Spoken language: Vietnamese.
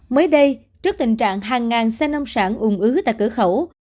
mới đây trước tình trạng hàng ngàn xe nông sản ung ứ tại cửa khẩu